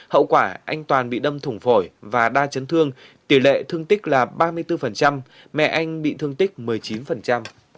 hậu quả anh toàn bị đâm thủng phổi và đa chấn thương tỷ lệ thương tích là ba mươi bốn mẹ anh bị thương tích một mươi chín